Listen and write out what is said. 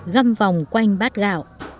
găm vòng quanh bát gạo